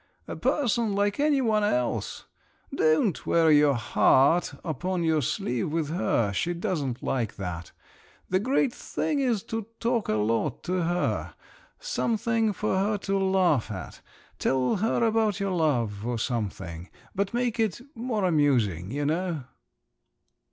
A person like any one else. Don't wear your heart upon your sleeve with her—she doesn't like that. The great thing is to talk a lot to her … something for her to laugh at. Tell her about your love, or something … but make it more amusing, you know."